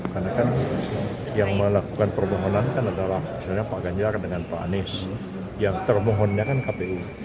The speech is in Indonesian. karena kan yang melakukan permohonan kan adalah pak ganjar dengan pak anis yang termohonnya kan kpu